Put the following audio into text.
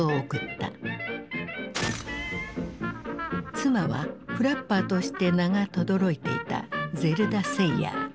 妻はフラッパーとして名がとどろいていたゼルダ・セイヤー。